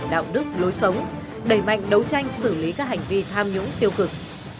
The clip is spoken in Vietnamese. đạo đức lối sống đẩy mạnh đấu tranh xử lý các hành vi tham nhũng tiêu cực